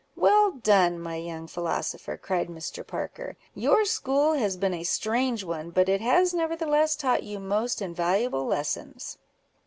"Well done, my young philosopher!" cried Mr. Parker. "Your school has been a strange one, but it has nevertheless taught you most invaluable lessons."